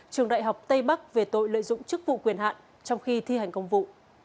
trường đại học tây bắc về tội lợi dụng chức vụ quyền hạn trong khi thi hành công vụ